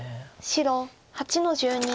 白８の十二。